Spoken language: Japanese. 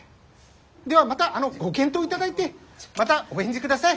ではまたあのご検討いただいてまたお返事ください。